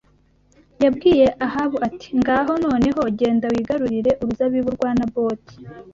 yabwiye Ahabu ati ngaho noneho genda wigarurire uruzabibu rwa Naboti